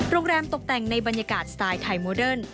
โรงแรมตกแต่งในบรรยากาศสไตล์ไทยโมเดิร์น